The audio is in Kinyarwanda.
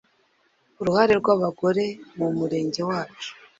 uruhare rw'abagore mu murenge wacu